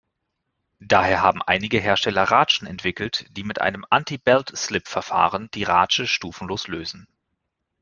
Daher haben einige Hersteller Ratschen entwickelt, die mit einem Anti-Belt-Slip-Verfahren die Ratsche stufenlos lösen.